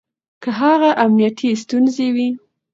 که هغه امنيتي ستونزې وي